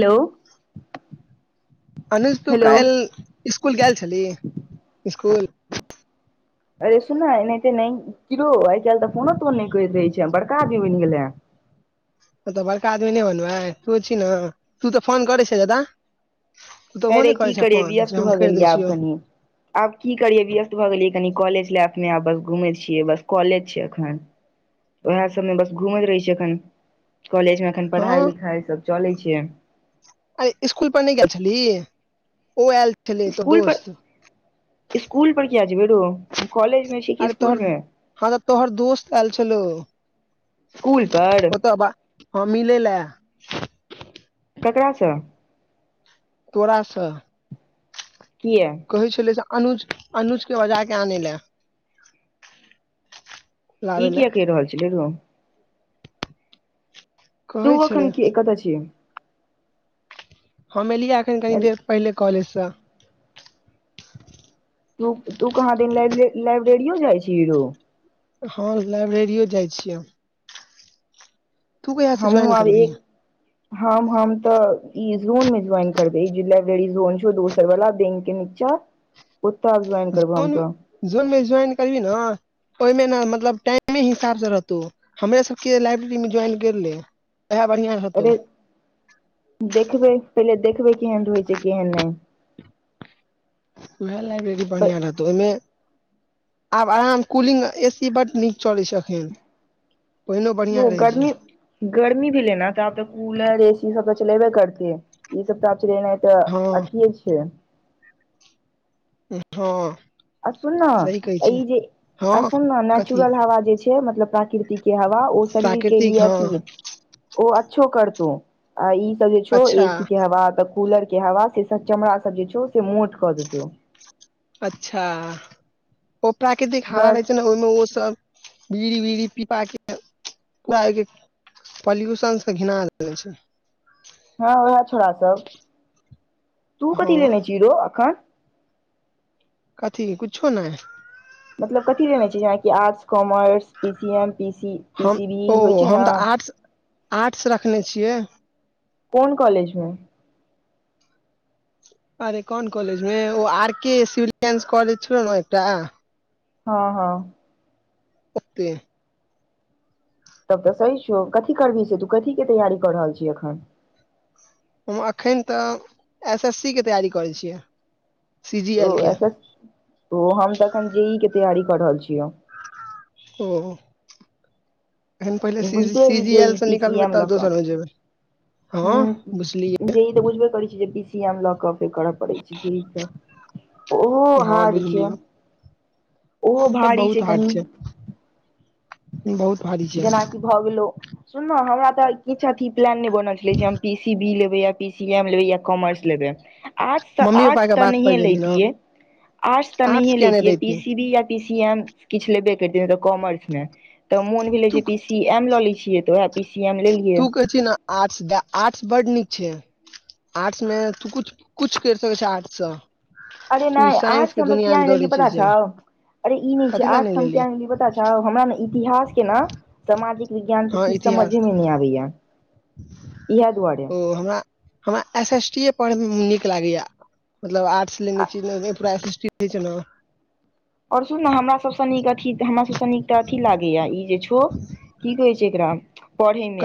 हेल अनुज तू काल्हि स्कुल गेल छली स्कु अरे सुना एनाहिते नहि किरो आइ काल्हि त फोनो तोन नहि करैत रहे छै बड़का आदमी बनि गेले ह त बड़का आदमी नहि बनबे तो छी ने तू त फोन करै छ दाद अरे की करिय व्यस्त भऽ गेलियै आब कन आब की करियै व्यस्त भऽ गेलियै कनि कॉलेज लाइफ मे आब बस घुमै छियै बस कॉलेज छैय एख वएह सब में बस घूमैत रहे छियै एखन कॉलेज में एखन पढ़ाई हँ लिखाई सब चले छै अरे स्कूल पर नहि गेल छली ओ आय स्कूल पर स्कूल पर किया जबै रौ हम कॉलेज मे छ अरे तोहर हँ तऽ तोहर दोस्त आयल छलौ स्कूल पर ओत हँ मिलै ल ककरास तोरास की य कहै छलै अनुज के बजा कऽ आनै ल ई किया कहि रहल छलै र तू कहै व छलै अखन के कतऽ छ हम एलियै एखन कनि देर पहिले कॉलेजस तू तू कहाँ दिन लाइब्रेरियो जाइ छीही हँ लाइब्रेरियों जाइ छियै तू कहिया से हमू ज्वाइन आर करबिही हम हम तऽ ई जोन मे ज्वाइन करबे लाइब्रेरी जोन छौ दोसर वाला बैंक के नीच ओतऽ ज्वाइन करबै हम त जोनमे ज्वइन करबी ओहिमे ने मतलब टाइमे हिसाब से रहतौ हमरे सबके लाइब्रेरी मे ज्वाइन कैर इएह बढ़िआँ रहत अरे देखबै पहिले देखबै केहन रहै छैय केहन नै वएह लाइब्रेरी बढ़िया रहतौ ओहिम आब आराम कूलिंग ए सी बड नीक चलै छैय एखै ओ गर्म गर्मी भी लेना तऽ आब तऽ कूलर ए सी सब तऽ चलेबे करतेै ई सब तऽ आब चलेन तऽ हँ अथीए छै हँ अआ सुुन न सही कहै छी ई जे हँ असुन न कथी नेचुरल हवा जे छैय मतलब प्राकृति के हवा ओ शरीर के लिए प्राकृतिक हँ अथी ओ अच्छो करत आ ई सब जे छौ अच्छा एसी के हवा त कूलर के हवा से चमड़ा सब जे छौ से मोट कऽ देत अच्छा ओ प्राकृतिक हवा बस रहै छैय ओहिमे ओ सब बीड़ी वीड़ी पी पा के पूर पोल्यूशन स के घिन छ हँ वएह छोड़ा सब तू हँ कथी लेने छी रो एख कथी कुछो नह मतलब कथी लेने छै जेनाकि आर्ट्स कॉर्स पिसि एम हम पिसिबी होइ ओ छै हम न तऽ आर्ट्स आर्ट्स रखने छिय कोन कॉलेज अरे कोन कॉलज मे ओ आर के सिविलस कॉलेज छलै ने एकट हँ ह ओत तब तऽ सही छौ कथी करबह छै तू कथीके तैयारी कऽ रहल छीय एख हम अखन तऽ एस एस सी के तैयारी करै छिय ओऐस ओ हम तऽ एखन जे ई के तैयारी कर रहल छय ओ एखन पहिले सी बुझिते सी हेबही जी जे ई एलसँ पी निकलबै तऽ दोसरमे जेब ह जे ई तऽ बुझबे करै छ जे बी सी मे लऽ कऽे करऽ पड़ै छै जे ई ओहो हँ हार्ड छै बुझलियै ओहो ए भारी बहुत छै हार्ड कन बहुत भारी छिय भऽ जेनाकि गेल सुन हमरा तऽ किछु अथी प्लान नहि बनल छलै जे हम पी सी बी लेबै या पी सी ए म लेबै या कॉमर् [unintelligible] आर्ट्स त मम्मी पापा आर्ट्स के तऽ बात पर नहिए गेली ने लेतीऐै आर्ट्स तऽ नहिए किया नहि लेतीऐै पी रैती सी बी य पि सी एम किछ लेे बे करतीय कॉमर्स मे त मोन भेलै तू पिस सी एम लऽ लै छियै सी एम तू कहै छी ने आर्ट्स आर्ट्स बड्ड नीक छ आर्ट्स मे तू कुछ कुछ करि सकै छि आर्ट्ससँ अरे नहि आट्स सममे किया नहि लेलियो छियै ता से छउ अरे ई नहि छै कथी लए आठ लेली कियै पता हमरा ने इतिहास केन सामाजिक विज्ञान के हँ किछु इतिहास समझे मे नहि आबैया इहे दुआर ओ हमरा हमरा एस एस टी पढ़ै मे नीक लागैया मतलब आर्ट्स लेने छी परा एस [unintelligible] आओर सुन ने हमरा सबसँ नीक अथी त हम स न अथी लागैय ई जे छौ की कहै छै एकरा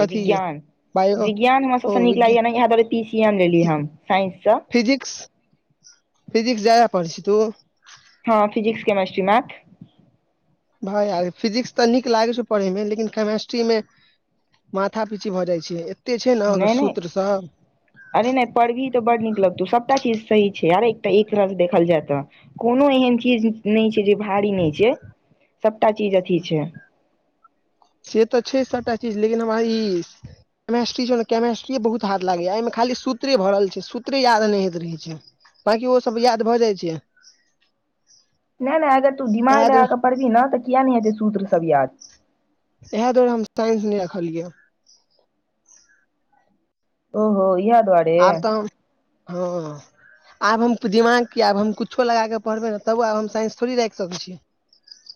कथी बायो विज्ञान हमरा ओ सबसँ नीक विज्ञान लागयए ने इएह दरे पी सी एम लेलियै हम साइंस स फिजिक् फिजिकस जादा पढ़ै छहि त हँ फिजिकस केमेस्ट्री मै भाय यार फिजिक्स तऽ नीक लागे छै पढ़े मे लेकिन केमेस्ट्री मेँ माथा पीची भऽ जाइ छै एते छै ने ओकर नहि नहि सूत्र स अरे नहि पढ़बही तऽ बड़ नीक लगतौ सभटा चीज सही छै यर एकटा एक रहसँ देखल जाय त कोनो एहन चीज नहि छै जे भारी नहि छै सबटा चीज अथी छ से तऽ छै सभटा चीज लेकिन हमरा केमेस्ट्री छौ ने केमेस्ट्रीे बहुत हाथ लागैया एहिमे खाली सूत्रे भरल छै सूत्रे याद नहि होइत रहै छ बाकि ओ सब याद भए जाइ छ नहि नहि अगर तू दिमाग इएह लगा क दुआरे पढ़बही ने तऽ किया नहि हेते सूत्र सब या इएह दुआरे हम साइंस नहि रखलिय ओहो याद आब तऽ ह आब हम दिमाग की आब हम कुछो लगाक पढ़बे ने तबो आब हम साइंस थोड़ी राख सकइ छीय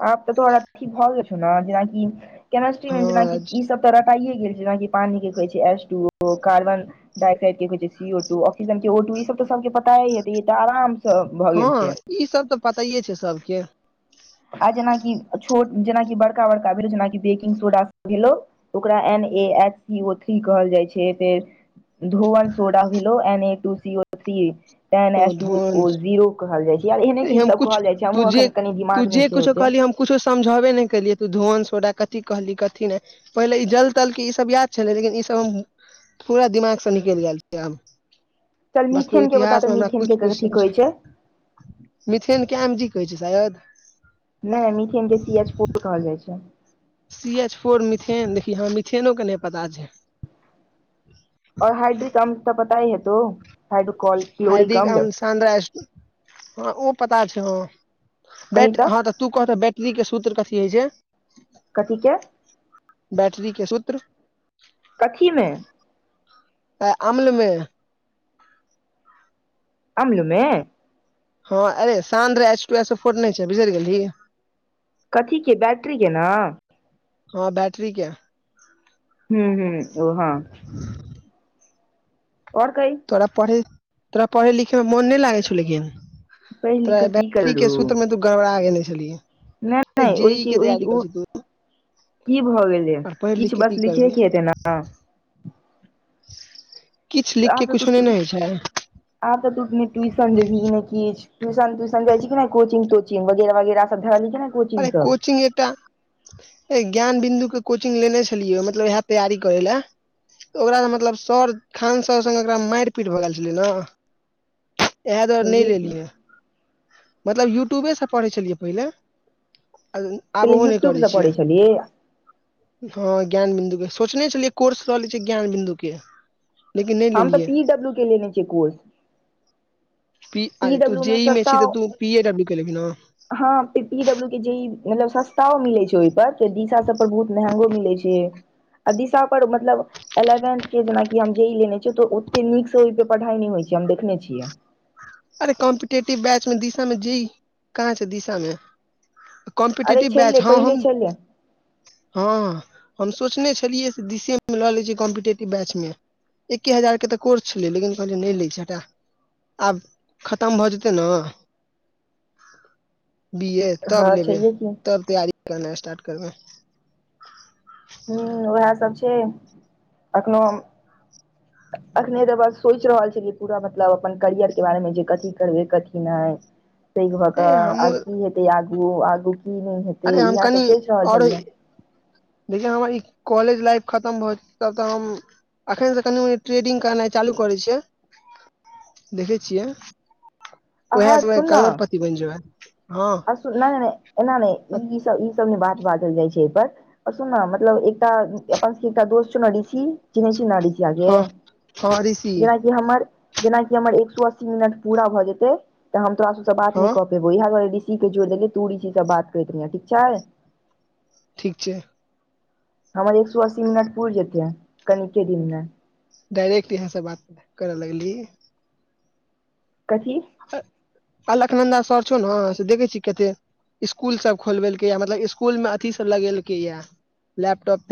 आ तऽ तोराथी भऽ गेल छ ने जेनाकिमस्ट्रीमे जेनाकि हँ ई स तऽ रटाइए गेल छै जेनाकि पानी के कहै छै एस टू ओ कार्बन [unintelligible] के होय छै सी ओ टू आक्सीजन के ओ टू ई सब सभ के पतायै हैते ई त आराम से भऽ हँ गेल छै ई सब तऽ पतयै छै सबके आ जेनाकि छोट जेनाकि बड़का बड़का भेलो जेनाकि बेकिंग सोडा भेलो ओकरा N A H C O three कहल जाइ छै फेर धोवन सोडा भोलो N A O two C three ten O S two धन ओ जीरो कहल जाइ छैर एहने की हम सब कुछ कहल जाइ छै तू हमहुँ जे अखन कनि दिमाग तू नहि जे छै कुछो ओते कहली हम कुछो समझेबे नहि केलियै तू धुआन सोराा कथी कहली कथी नहि पहिले ई जल तल क ईसभ याद छलै लेकिन ईसभ हम पूरा दिमागसँ निकलि गेल छै चल वस्तु मिथेन के बता तऽ इतिहासमे हमरा मिथेन के किछु कथी किछ कहै छै मिथेन के एम जी कहै छै शायद नहि मिथेन के सी एच फोर कहल जाइ छै सी एच फोर मिथेन देखी हँ मिथेनो के नहि पता छैै और हाइड्रिक क तऽ पता हेतो हाइड्रो हार्दिक स्र ह ओ पता छै ह बैट हँ तऽ तू कहते बैट्ररी क सूत्र कथी होइ छै कथी के बैटरी के सूत्र कथीमे अ अम्लमे अम्लमे हँ अरे साँझ रे एस एस ओ फोर नहि छै बिसरि गेलही कथी के बैट्ररी के ने हँ बैटरी केँ हू ह ओहँ आओर कहि तोरा पढ़ तोरा पढ़ै लिखै मे मोन नहि लागै छौ लेकिन पढ़ि लिख कऽ की तोरा के करू सूत्र मे तू गड़बड़ागे छलियै नहि नहि ओहि कि ओहि ओ की भऽ गेलै आर पढ़ि लिख किछु के की बस करबही लिखेके हेतै ने [inaudible] आ के तऽ कुछो नहि तू ने होइ छै आ तऽ तू ट्यूशन देबी नहि किछु टयूशन त्यूशनाए छै कि नहि कोचिंग तोचिंगगैर वगरह सबब धरा रहलली नहि म कोचिंग सब कचिंग एकटा ज्ञान बिन्दु के कोचिंग लेने छलियै मतलब इएह तैयारी करे ले ओकरा मतलब सर खान स सङग ओकरा मारि पीट भऽ गेल छलै ने इएह दुआरे नहि छैहे की लेलियै मतलब यूट्यूबेसँ पढ़ै छलियै पहिले आब पहिले ओहो नहि यूट्यूब करै से छियै पढ़ै छलियै हँ ज्ञान बिन्दु के सोचने छलियै कोर्स रहले छै ज्ञान बिन्दु के लेकिन नहि हम त लेलियै पी डब्ल्यू के लेने छियै कोर्स प पी अरे तू डब्ल्यू जे ई मे छ सस्ता तऽ तू पी एडब्लू के लेबी ने हँ पीडब्लू के जे ई मतलब सस्ता मिले छै ओहिप दिशा सब पर बहुत महंगो मिलै छै आ दिशा पर मतलब एलेवेंथ के जेनाकि हम जे ई लेने छियै तऽ ओते नीक से ओहि पे पढ़ाई नहि होइ छै हम देखने छियै अरे कम्पिटेटिव बैच मे दिशा मे जी कहाँ छै दिशा मे अरे कॉम्पिटेटिव बैच छलै हँ पहिले हम छलै हँ हम सोचने छलीयै दिशे मे ले छी कॉम्पिटेटिव बैच मे एके हजार के तऽ कोर्स छलै लेकिन कहल नहि लै छै आब खतम भऽ जेतै ने बी ए तब हँ लेबे छैहे की तब तैयारी करना स्टार्ट करबे ह उएहसभ छै एखन अखने तऽ बस सोचि रहल छी कि पूरा मतलब अपन करियर के बारे मे जे कथी करबै कथी नह सै भऽ कऽ ए आ हमहूँ की हेतै आगू आगू की नहि हेत ते अरे हम इएह सब सोचि रहल छलिय लेकिन हमर ई कॉलेज लाइफ खतम होतब तऽ ह अखन त कनि मनि ट्रेडिंग करनाइ चालू करै छियै देखै छिय आहा उएह सुन न करोड़पति बनि जेबै ह आ नहि ए नहि सब बात बाजल जाइ छै एहि पर सुन ने मतलब एकटा अपन एकटा दोस्त छौ ने ऋष चिह चिन् आड छी हँ हँ ऋषि आजेना हमर जेनाकि हमर एक सए अस्सी मिनट पूरा भए जेते त हम तोरा सब बा हँ ह ऋष के जोड़िेलियै तू ऋषि से बात करैत रह ठीक छ ठीक छ हमर एक सए अस्सी मिनट पुर जेते है कनिके दिन म डायरेक्ट यहाँ से बात करऽ लगल कथ अलकनन्दा सर छौ ने से देखै छीिय कत स्कूल सब खोलबेलक यए मतलब स्कूल मे अथी सब लगेलके य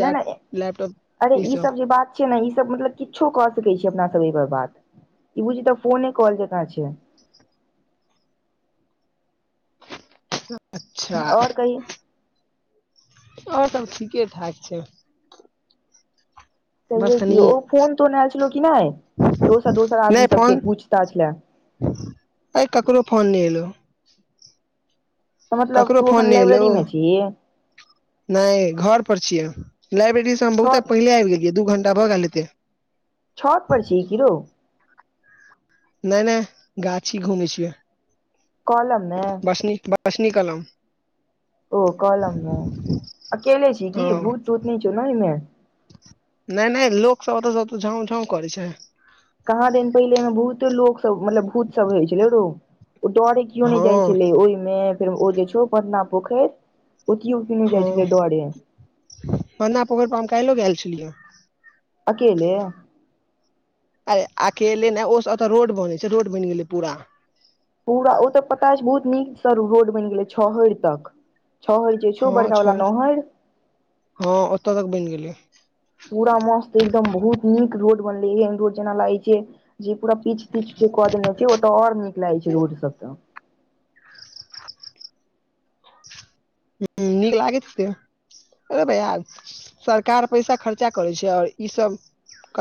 नहि नहि लैपटॉप अरे ई स सब जे बात छै ने ई सब मतलब किछो कऽ सकैत छीिय अपना सब एहिपर बात ई बुझिय तऽ फोने कॉल जकाँ छ अच्छा आओर कही आओर सब ठीके ठाक छ बस से कनि क ओ फोन तोन आयल छलो कि नहि दोसर दोसर आदमी सबके पूछता छल आइ काको फोन नहि एल तऽ मतलब ककरो तू फोन एखन नहि एलौ लाइब्रेरी मे छी नहि घर परर छियै लाब्रेरी से हम बहुत छत पहिले आब गे दू घ्टा बऽ गेले त छत परड़ छी क र नहि नहि गाछ ही घूमे छियै कॉलम मे बसनी बसनी कल ओ कलम मे अकेले छी हँ क भूत तूत नहि छौ ने ओम नहि नहि लोक सब ओतऽ सब तऽ झाँउव झाँंव करै छ कहाँ दे पहिले में बहुते ल मतलब भूत सब होइ छलै रो ओ डरे केओ नहि जाइ हँ छलै ओहिम फेर ओ जे छ पटना पोखरि ओतो किने जाइ छलैडरे बना पोखरि पर हम काल्हिो गेल छलिय अकेल अरे अकेले ने ओ ओतऽ रोड बनै छै रोड बनि गेलै पूर पूरा ओ तऽ पता बहुत नीक सर रोड बनि गेलै छहरि त हँ छ हँ ओतऽ तक बनि गेल पूरा मस्त एकदम बहुत नीक रोड बनलै एहन रोड जेना लागै छ जे पूरा पीछ तीछ जे कऽ देने छै ओतऽ ओर नीक लागे छै रोड सब त ह नीक लागे त बर या सरकार पैसा खर्चा करै छै आओर ईसभ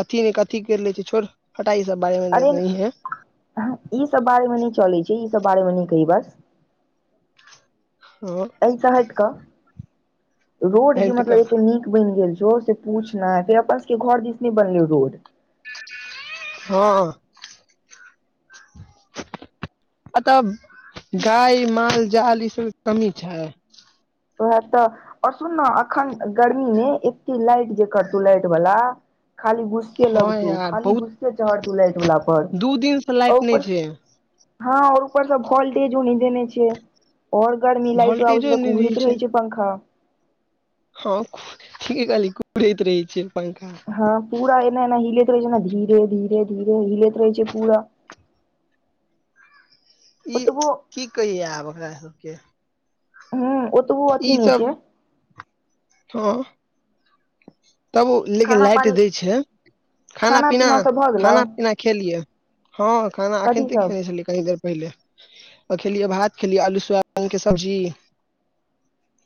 कथी ने कथी करि लै छै छोड फटाई सब बारेमे जतनी ह ह ई सब बारे मे न चले छै ई सब बारे मे न कही ब ह कहस हट रोड जे हट मतलब क एते नीक बनि गेल छौ से पूछना फेर अपन सबके घर जिसने बनले रो हँ अ त गाय माल जाल ई सब कमी छ उएह तऽ आओर सुन ने एखन गर्मीमे एके लाइट जे करतू लाइट बल खाली बुस हँ लगतू यार खाली बहुत घुसके चहढ़तू लाइट वाला पर दू दिन से आ लाइट नै ऊपर छै हँ आओर उपरसँ भल्टेजो नैदेने छै आओर गर्मी लाइटो आबै छै वोल्टेजो तऽ नै कुंहरी रहै छै पंखा हँ ठीके कहली कुढ़ैत रहै छै पंखा हँ पूरा एना एना हिलैत रहै छै धीरे धीरे धीरे हिलैत रहै छै पूरा [inaudible] ई ओतबो की कहियै आब ओकरा सबके हूँ ओतबो अथी ई नहि सब छै हँ तब ओ लेकिन खाना लाइट पानी दै छै खाना सब भऽ गेलौ पीना खेलियै हँ खाना अखन कथी ते सब खेने छलियै की देर पहिले खेलिय भात खेलियै आलू स रंग के सब्जी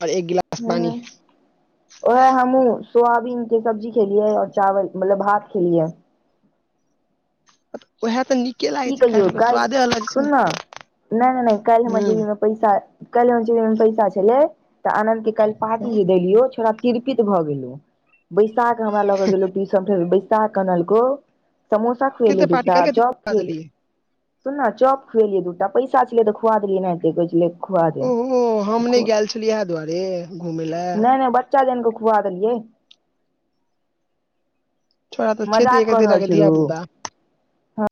आओर एक गिलास हूँ पानी ओहे हमहूँ सोयबीन के सब्जी खेलियै और चावल मतलब भात खेलियै ओएह तऽ नीक की कहियौ काल्हि सुनना नहि नहि नहि काल्हि हमरा जेबी मे हूं पैसा काल्हि हमरा जेबीमे पैसा छेलै तऽ आनद के काल्हि पार्टी जे देलियो छौरा तीरपित भऽ गेलो बैसाक हमरा ल के गेलो बैसाक अनलको समोसा खुएल कते पार्टी दूटा क कते चप खुआ खुएल देलियै सुनना चप खुएलियै दूटा पैसा छलै तऽ खुआ देलियै एनाहिते कहै छलै खुआ दे ओहो हम तऽ नहि खुआ गेल छलियै एहा दुआरे घुमय लए कै जन के खुआ देलियै छोड़ा छे मजाक एके कऽ ते रहल छी धिया रौ पुता